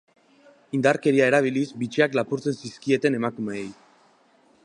Indarkeria erabiliz, bitxiak lapurtzen zizkieten emakumeei.